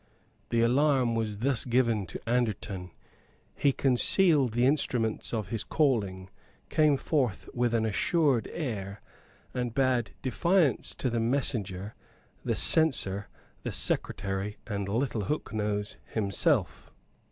The alarm was thus given to Anderton. He concealed the instruments of his calling, came forth with an assured air, and bade defiance to the messenger, the Censor, the Secretary, and Little Hooknose himself.